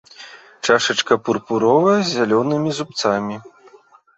Чашачка пурпуровая з зялёнымі зубцамі.